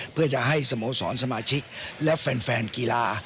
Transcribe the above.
เพื่อจะให้สโมสรสมาชิกและแฟนกีฬา